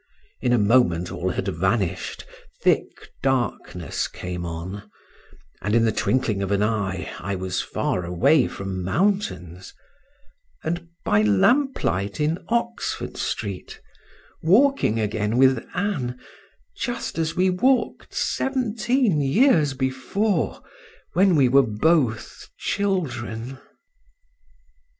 In a moment all had vanished, thick darkness came on, and in the twinkling of an eye I was far away from mountains, and by lamplight in Oxford Street, walking again with Ann—just as we walked seventeen years before, when we were both children.